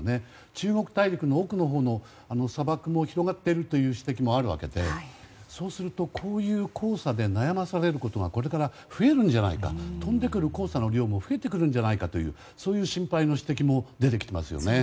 中国大陸の奥のほうの砂漠も広がっているという指摘もあるわけでそうするとこういう黄砂で悩まされることがこれから増えるんじゃないか飛んでくる黄砂の量も増えてくるんじゃないかという心配の指摘も出てきていますね。